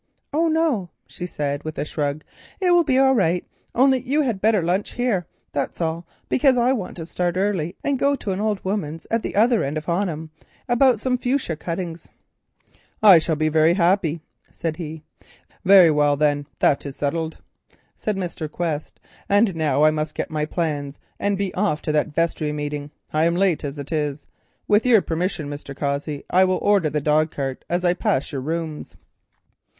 "Oh no," she said, with a shrug, "it will be all right; only you had better lunch here, that's all, because I want to start early, and go to an old woman's at the other end of Honham about some fuchsia cuttings." "I shall be very happy," said he. "Very well then, that is settled," said Mr. Quest, "and now I must get my plans and be off to the vestry meeting. I'm late as it is. With your permission, Mr. Cossey, I will order the dogcart as I pass your rooms."